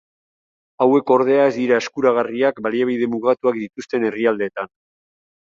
Hauek ordea, ez dira eskuragarriak baliabide mugatuak dituzten herrialdeetan.